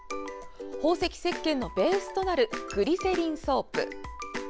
宝石せっけんのベースとなるグリセリンソープ。